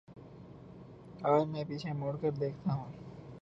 آج میں پیچھے مڑ کر دیکھتا ہوں۔